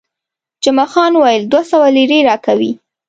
جمعه خان وویل، دوه سوه لیرې راکوي.